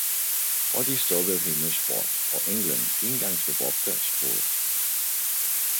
Og de stod ved himlens port, og englen, indgangens bevogter, spurgte.